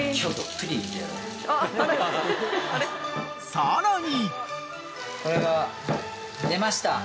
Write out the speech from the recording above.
［さらに］